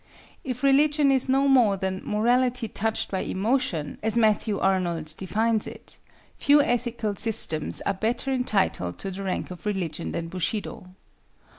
If religion is no more than "Morality touched by emotion," as Matthew Arnold defines it, few ethical systems are better entitled to the rank of religion than Bushido.